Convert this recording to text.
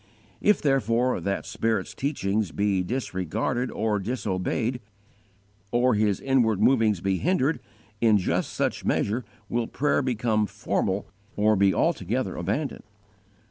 _ If, therefore, that Spirit's teachings be disregarded or disobeyed, or His inward movings be hindered, in just such measure will prayer become formal or be altogether abandoned.